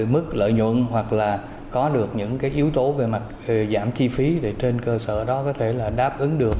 mức lợi nhuận hoặc là có được những yếu tố về mặt giảm chi phí để trên cơ sở đó có thể là đáp ứng được